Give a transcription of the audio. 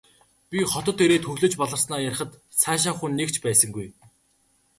Би хотод ирээд хөглөж баларснаа ярихад сайшаах хүн нэг ч байсангүй.